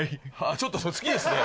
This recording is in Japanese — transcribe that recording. ちょっとそれ好きですね。